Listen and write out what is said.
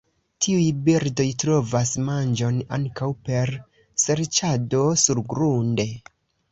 Tiuj birdoj trovas manĝon ankaŭ per serĉado surgrunde.